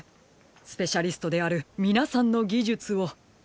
スペシャリストであるみなさんのぎじゅつを。